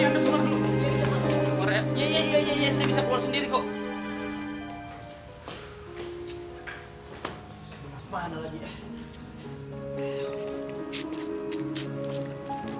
iya iya iya saya bisa keluar sendiri kok